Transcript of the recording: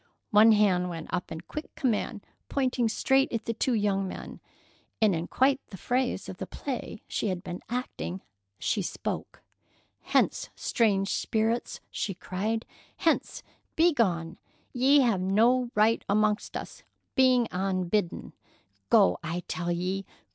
One hand went up in quick command, pointing straight at the two young men, and in quite the phrase of the play she had been acting she spoke: "Hence, strange spirits!" she cried. "Hence! Begone! Ye have no right amongst us, being unbidden. 'Go, I tell ye!